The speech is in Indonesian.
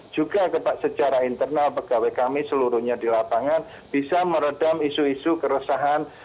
juga secara internal pegawai kami seluruhnya di lapangan bisa meredam isu isu keresahan